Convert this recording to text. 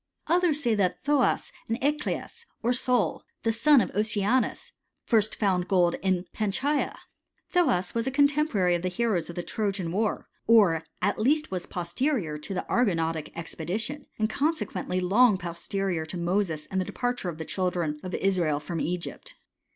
Others say thai Thoas and Eaclis, or Sol, the son of Oceanus, first found gold in Panchaia. Thoas was a contemporary of the heroes of the Trojan war, or at least was posterior to the Argonautic expedition, and consequently loxjj posterior to Moses and the departure of the childrea of Israel from Egypt.